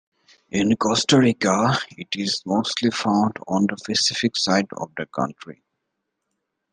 In Costa Rica, it is mostly found on the Pacific side of the country.